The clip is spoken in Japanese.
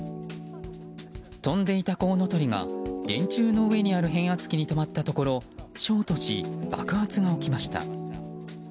飛んでいたコウノトリが電柱の上にある変圧器に止まったところショートし、爆発が起きました。